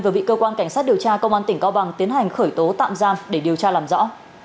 vừa bị cơ quan cảnh sát điều tra công an tỉnh cao bằng tiến hành khởi tố tạm giam để điều tra làm rõ